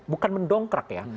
bukan mendongkrak ya